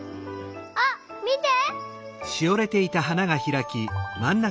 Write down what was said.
あっみて！